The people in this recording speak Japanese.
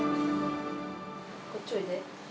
こっちおいで。